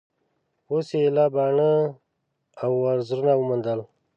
اوس یې ایله باڼه او وزرونه وموندل